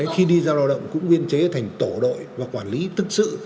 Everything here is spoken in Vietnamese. khi đi ra lao động cũng nguyên chế thành tổ đội và quản lý tức sự